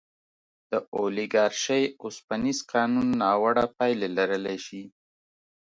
د اولیګارشۍ اوسپنیز قانون ناوړه پایلې لرلی شي.